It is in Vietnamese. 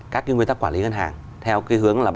các cái nguyên tắc quản lý ngân hàng theo cái hướng là